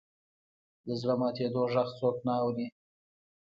د زړه ماتېدو ږغ څوک نه اوري.